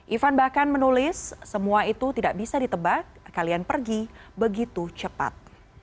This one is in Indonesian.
ivan bahkan menulis semua itu tidak bisa ditebak kalian pergi begitu cepat